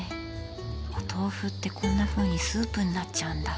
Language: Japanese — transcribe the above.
お豆腐って、こんなふうにスープになっちゃうんだ。